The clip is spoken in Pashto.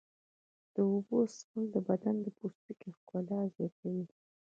د اوبو څښل د بدن د پوستکي ښکلا زیاتوي.